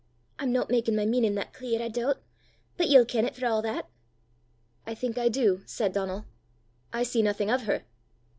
I'm no makin' my meanin' that clear, I doobt; but ye'll ken 't for a' that!" "I think I do," said Donal. " I see nothing of her."